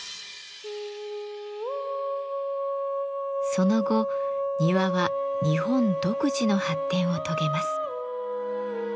その後庭は日本独自の発展を遂げます。